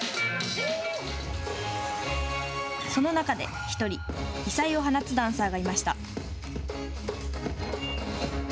その中で、１人、異彩を放つダンサーがいました。